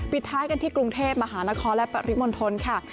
ท้ายกันที่กรุงเทพมหานครและปริมณฑลค่ะ